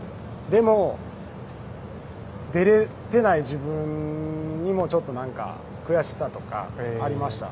でも、出ない自分にもちょっと何か悔しさとかありました。